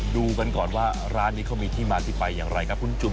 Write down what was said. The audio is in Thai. ดูกันก่อนว่าร้านนี้เขามีที่มาที่ไปอย่างไรครับคุณจุม